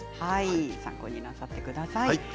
参考になさってください。